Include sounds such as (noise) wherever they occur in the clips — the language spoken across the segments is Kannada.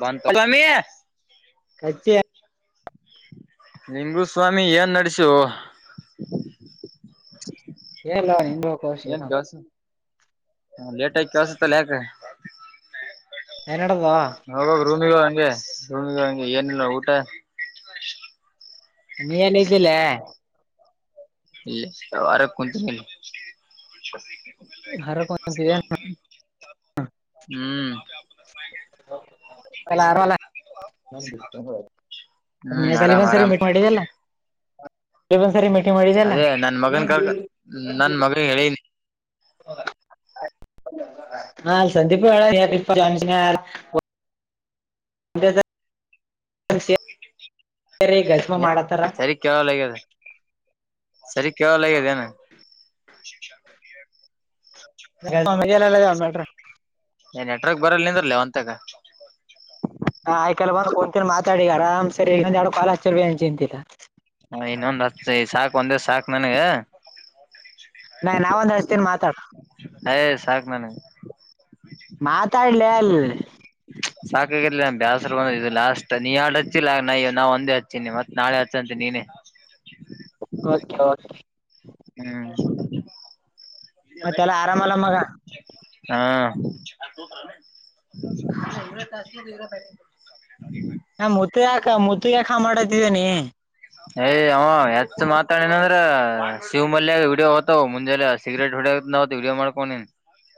ಬ ಕಮಿ ಕಚ್ಚಿ ನಿಂಗಗು ಸ್ವಾಮಿ ಏನ್ ನಡಸು ಏಲ್ಲಾ ನಿಂದ ಕೋಶರ ಹ ಲೇಟ್ ಆಯಕಸುತ್ತಲ್ಲ ಯಾಕ ಏನಡದ ಹೋಗ ರೂಮಿಗ ಹಂಗೆ ರೂಮಿಗ ಹಂಗೆ ಏನಿಲ್ಲ ಊಟ ನೀಲ್ಲಿ್ದಲ್ಲ ಇಲ್ಲ ವಾರ ಕುಂತನ ಹೊರಕ್ ಕುಂತಿದ್ದೆ ಹ್ಮ್ ಅಲ್ಲ ಆರವಲ್ಲ ಸಿಖಾ ಂದರಿ ಮೀಟ್ ಮಾಡಲ್ಲ ಮಾಡಿದೆಲ್ಲ ಅದೇ ನನ್ ಮಗನ್ ಕರ್ಕ ನನ್ ಮಗನ್ ಹೇಳಿನಿ ಹಾ ಸಂದೀಪ ಹೇಳ ಅದ ಹಸ ಸರಿ ಗಜಮಾ ಮಾಡತಾರ ಸರಿ ಕೇಳಲಗ್ಯದ ಸರಿ ಕೆವ ಲೈದೆನೆ ಮ ಮೇಲ್ಲ ಎಲ್ಲಡ್ರ ಏ ನೆಟ್ವರ್ಕ್ ಬರಲ್ ನಿಂದ್ರಲ್ಲ ಒಂತಾಗ ಹಾ ಆಯ್ಕಲ್ಲ ಬಂದ್ ಕುಂತಿನಿ ಮಾತಾಡಿ ಆರಾಮ್ ಸಿರಿ ಇನ್ನೊಂದ್ ಎರಡು ಕಾಲ ಹಚ್ಚಿರು ಏನ್ ಚಿಂತಿಲ್ಲಾ ಹ ಇನ್ನೊಂದ್ ಹಚ್ಚತೀನಿ ಸಾಕ್ ಒಂದೇ ಸಾಕ್ ನನಗ ನಾ ನಾವ ಒಂದ ಹಚ್ಚತೀನಿ ಮಾತಾಡ್ ಅಯ್ ಸಾಕ್ ನನಗ್ ಮಾತಾಡ್ಲೇ ಅಲ್ಲಿ ಸಾಕಾಗ್ಯಾದಲೇ ಬ್ಯಾಸರು ಬಂದದ್ ಇದು ಲಾಸ್ಟ್ ನೀ ಯ್ಯಾಡ್ ಹಚ್ಚಿಲ್ಲ ನಯ್ಯ ನಾ ಒಂದೇ ಹಚ್ಚೀನಿ ಮತ್ತ ನಾಳೆ ಹಚ್ಚಂತಿ ನೀನೇ ಹಯತಾ ಹ್ಮ್ ಮತ್ತೆಲ್ಲ ಆರಾಮಲ್ಲ ಮಗ ಹಾ ಹವರ ತ ಇರ (unintelligible) ಹಾ ಮೋತಿ ಯಾಕ ಮೋತಿ ಯಾಕ ಮಾಡತಿದ್ದೇನಿ. ಏ ಅವ ಯಟ್ ಮಾತಾಡನಂದ್ರ. ಶಿವ ಮಲ್ಯ ವೀಡಿಯೋ ಹೊತವ ಮುಂಜೆಲಿ ಸಿಗ್ರೇಟ್ ಹೊಡಿಯವತ್ತಿಗ್ ವೀಡಿಯೋ ಮಾಡ್ಕೊಂಡಿನ್.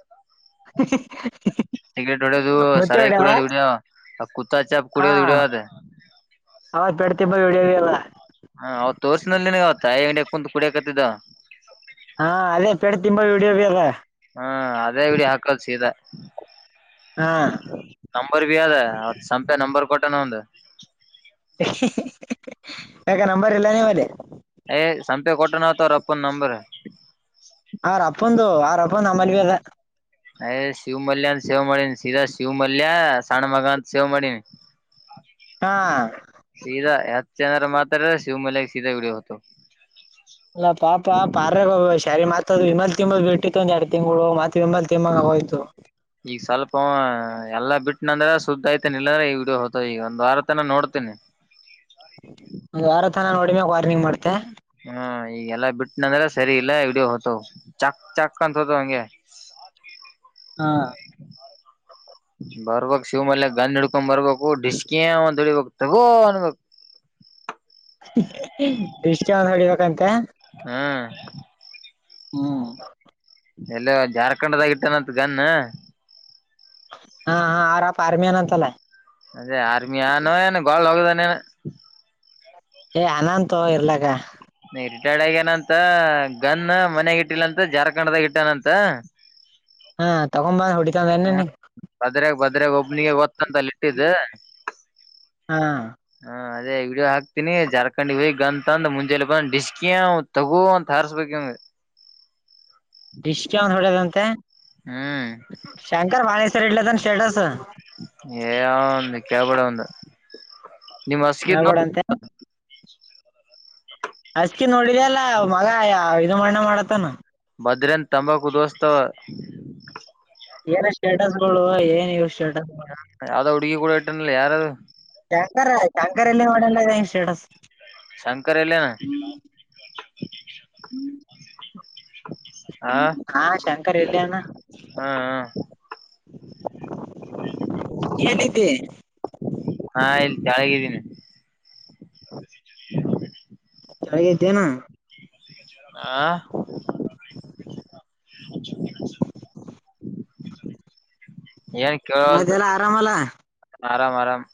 (unintelligible) ಸಿಗರೇಟ್ ವಡೆದು ಮುತ್ತಿ ಸಾರಾಯಿ ಹೊಡ್ಯವ ಕುಡೆದು ವಿಡಿಯೋ ಆವ್ ಕುತ್ತಾಚಪ್ ಕುಡೆದು ವಿಡಿಯೋ ಅದ ಹೌತ್ ಬೆಡ್ತ ವಿಡಿಯೋ ಎಲ್ಲಾ. ಹ ಅವತ್ ತೋರ್ಸಿನಲ್ಲಾ ನಿನಗ ಅವತ್ ಆಯಿ ಅಂಗಡ್ಯಾಗ್ ಕುಡ್ಯ ಕುಂತಿದ್ದ. ಹಾ ಅದೇ ಪೇಡ ತಿಂಬ ವಿಡಿಯೋ ಬಿ ಅದ. ಹ್ಮ ಅದೇ ವಿಡಿಯೋ ಹಾಕದ ಸಿದ. ಹಾ ನಂಂಬರ್ ಬಿ ಯಾದ ಸಂಪೆ ನಂಂಬರ್ ಕೊಟ್ಟನ ಅವಂದ. ಯಾಕ ನಂಬರ್ ಇಲ್ಲಾನೆ ನೋಡಿ. ಸಂಪೇ ಕೊಟ್ಟೆ ನತ ರಪ್ಪ ನಂಬರ್. ಆ ರಪ್ಪಂದು ಆ ರಪ್ಪಂದು ನಮ್ಮಲ್ವಿ ಅದ. ಸೇವ ಮಾಡಿ ಸೀಧಾ ಶಿವ್ ಮಲ್ಯ ಸಣ್ಣ ಮಗಂತ ಸೇವ್ ಮಾಡಿನಿ. ಹಾ. ಹೆಚ್ಚ ಏನಾರ ಮಾತಾಡಿದರ ಶಿವಮಲ್ಯಗ ಸೀದ ವಿಡಿಯೋ ಹೋತವ. ಅಲ್ಲ ಪಾಪ ಪಾರ್ಗ ಶಾರಿ ಮತ್ದ ಇಮಲ್ ತಿಂಬಲ್ ಬಿಟ್ಟಿತ್ತು ಒಂದ ಎರಡು ತಿಂಗಳು ಮತ್. ವಿಮಲ್ ತಿಂಬಂಗ ಆಗೋಯ್ತು ಈಗ ಸ್ವಲ್ಪ ಅವಎಲ್ಲಾ ಬಿಟ್ಟ. ಇಲ್ಲ ಅಂದ್ರೆ ಸುದ್ದ ಐತನ ಇಲ್ಲಂದ್ರೆ ಈ ವಿಡಿಯೋ ಹೋತವ ಈಗ ಒಂದು ವಾರತನ ನೋಡ್ತೀನಿ. ನೋಡಿಮೆ ವಾರ್ನಂಗ್ ಮಾಡ್ತ. ಹ್ಮ ಈಗೆಲ್ಲಾ ಬಿಟ್ಟನಂದ್ರ ಸರಿ ಇಲ್ಲ ವಿಡಿಯೋ ಹೊತವ್ ಚಕ್ ಚಾಕ್ ಅಂತ ಹೋತವ ಹಂಗೆ. (unintelligible) ಹಾ. ಹ. ಬರ್ಬಕ್ ಶಿವಮಲ್ಲೆ ಗನ್ ಹಿಡ್ಕೊ ಬರ್ಬೇಕು ಡಿಸ್ಕಿಯ ಅಂತ ಹೊಡಿಬೇಕು ತಗೋ ಅನ್ಬೇಕ್. (unintelligible) ೃಷ್ಟ ಒಂದ ಹೊಡಿಬೇಕಂತೆ. ಹ್ಮ್ ಹ್ಮ್. ಎಲ್ಲ ಜಾರ್ಖಂಡ್ದಾಗ ಇಟ್ಟನತ್ ಗನ್. ಹಾ ಹಾ ಅವರ ಅಪ್ಪ ಆರ್ಮಿ ಯನ್ ಅಂತಲ್ಲ. ಅದೇ ಆರ್ಮಿಯಾನೋ ಏನು ಗೋಳ್ಳ ಹೋಗದಾನೇನು. ಏ ಅನಂತ ಇರ್ಲಕ್ಕ. ಕೆಳಗ ನಂತ ಗನ್ ಮನೆಗ ಇಟ್ಟಿಲ್ಲಂತ ಜಾರ್ಖಂಡ್ದಾಗ ಇಟ್ಟನಂತ. ಹಾ ತಗೊಂಬಂದ್ ಹ್ಮ ಹೊಡಿತಂದ ಭದ್ರಾಗ ಬದ್ರಾಗ ಒಬ್ನಿಗೆ ಗೋತ್ತತಂತಲ್ಲಿ ಇಟ್ಟಿದ್ದ. ಹಾ. ಹಾ ಅದೇ ವಿಡಿಯೋ ಹಾಕ್ತೀನಿ ಜಾರ್ಖಂಡ್ ಹೋಗಿ ಗನ್ ತಂದ ಮುಂಜೆಲಿ ಬಂದ ಡಿಸ್ಕಿ ತಗೋ ಅಂತ ಹಾರ್ಸ್ಬೇಕ್ ಇವ್ವಗ. ಡಿಷ್ಕವ್ ಹೊಡದಂತೆ ಹ್ಮ್ ಶಂಕರ್ ಮಾನಸವರಿ ಇಡ್ಲತನ ಸ್ಟೇಟಸ್. ಒಂದು ಕೇಳ್ಬೇಡ ಅವಂದ. ನಿಮ್ಮ್ ಹಸಿಗೆ. ಹೇಳ್ಬೇಡಂತೆ ಹಸ್ಕಿ ನೋಡರಿ ಅಲ್ಲ ಮಗ ಇದು ಮಾಡಿದಂಗ ಮಾಡ್ಲಾತನ. ಮದ್ರೇನ್ ತಂಬಾಕು ದೋಸ್ತ. ಏನ ಸ್ಟೇಟಸ್ ಗಳು ಏನ್. ಯಾವ್ದೋ ಹುಡುಗಿ ಕೂಡ ಇಟ್ಟನಲ್ಲ ಯಾರದು ಕೆಟ ಕಂತ. ರೆ ಎಲ್ಲ ಒಡ ಎಲ್ಲ ಸ್ಟೇಟಸ್. ಶಂಕರ್ ಎಲ್ಲೇನ ಹ್ಮ್. ಹಾ ಶಂಕರ ಇಲ್ಲೇ ಅವ್ನ. ಹಾ ಹಾ. ಕನಿದ್ದ. ನಾ ಇಲ್ಲಿ ಕೆಳಗೆ ಇದೀನಿ. (inaudible) (unintelligible) ಕೆಳಗೆ ಇದ್ದೇನು ಆ ಏನ್ ಕೇಳವಲ್ತ್ ಮತೆಲ್ಲ ಆರಾಮಲ್ಲ ಆರಾಮ್ ಆರಾಮ್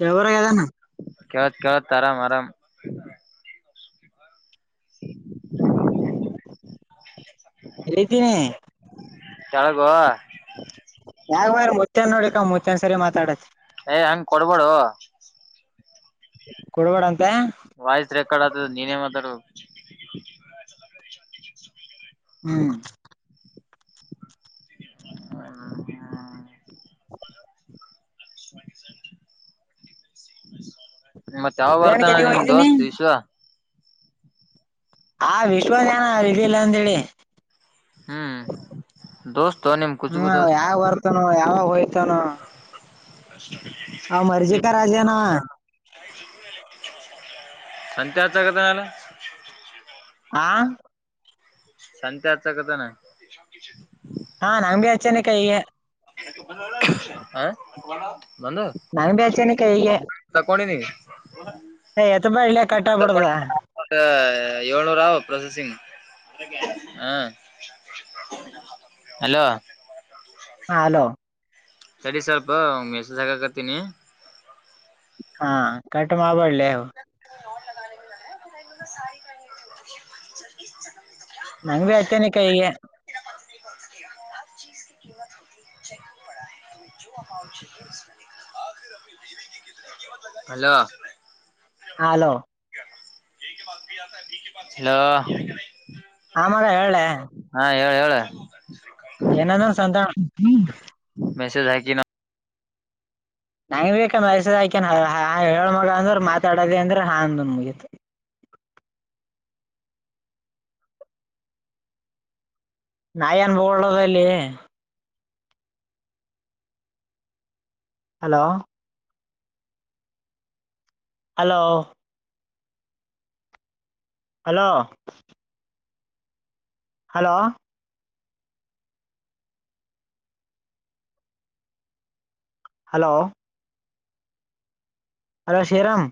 ಕೇಳಲಾಗದೆನು ಕೆೇಳುತ್ತೆ ಕೆಳುತ್ತೆ ಆರಾಮ್ ಆರಾಮ (inaudible) ಎಲ್ಲಿದ್ದೀನಿ ಕೇಳಲ್ವೋ ಹೋಗ್ಯಾರಾ ಮುತನ್ ನೋಡಿಕ ಮುತನ್ ಸರಿ ಮಾತಾಡತ್ತತಿ ಏ ಹೆಂಗ್ ಕೊಡಬೇಡವೋ ಕೊಡಬೇಡ ಅಂತ ವಾಯ್ಸ್ ರೆಕಾರ್ಡ್ ಆದದ ನೀನೇ ಮಾತಡು ಹ್ಮ್ (unintelligible) (unintelligible) ಮತ್ತತ್ ಯಾವ ಏನ್ ಬರ್ತಾನ ಕೆಲಿಗೆ ನಿಮ್ ಹೋಗಿದ್ದೀನಿ ದೋಸ್ತ್ ವಿಶ್ವ ಹಾ ವಿಶ್ವನಿಗೆಇದು ಇಲ್ಲ ಅಂತ ಹೇಳಿ ಹ್ಮ್ ದೋಸ್ತ ನಿಮ್ ಹ್ಮ ಕುಚುಗು ದೋಸ್ತ್ ಯಾವ ಬರ್ತಾನ ಯಾವಾಗ ಹೋಯ್ತಾನ ಹಾ ಮರ್ಜಿಕ ನಿಮ್ ರಾಜನ ಅಂತ ಹೇಳ್ತನಾನಾ ಹಾ ಸಂತಅಂತ ಕತೇನ ಹಾ ನಮ್ಮ ಬ್ಯಾಚ್ ಅವೆನೀನೇ ನಂಗ್ ಬಿ ಹಚ್ಚನಿ ಕೈಗೆ ತಕೊಂಡೀನಿ ಏ ಎತ್ಬೇಡ್ಲೆ ಕಟ್ ಆಗ್ಬಿಡ್ದ ತಕೊಂಡು ಏಳೂರ ಆ ಪ್ರೊಸೆಸಿಂಗ್ ಹಲೋ ಹಾ ಅಲೋ ಸರಿ ಸ್ವಲ್ಪ ಮೆಸೇಜ್ ಹಾಕ ಕತೀನಿ ಹಾ ಕಟ್ ಮಾಡಬೇಡಲೇ (unintelligible) (unintelligible) (unintelligible) (unintelligible) ರಾಜ ಹಲೋ ಹಲೋ ಆ ಮಗ ಹೇಳೇ ಹೇಳ್ ಹೇಳ್ ಏನದು ಸಂಘ ಮೆಸೇಜ್ ಹಾಕಿನಿ (unintelligible) ಹೇಳ ಮಗ ಅಂದ್ರ ಮಾತಾಡೋದ ಅಂದ್ರ ಹಾ ಮುಗಿತ್ತು ನಾನು ಏನು ಹೇಳೋದು ಎಲ್ಲಿ hello hello hello hello hello hello Shriram